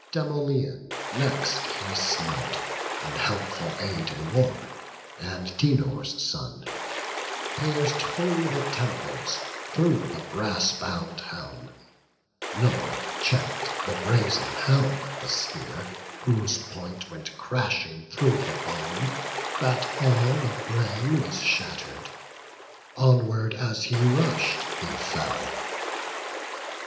Demoleon next he smote, A helpful aid in war, Antenor's son, Pierc'd thro' the temples, thro' the brass bound helm; Nor check'd the brazen helm the spear, whose point Went crashing through the bone, that all the brain Was shatter'd; onward as he rush'd, he fell.